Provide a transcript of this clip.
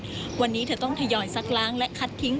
วันนี้เธอต้องทยอยซักล้างและคัดทิ้ง